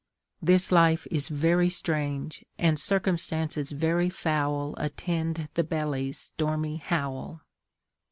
This life is very strange, And circumstances very foul Attend the belly's stormy howl.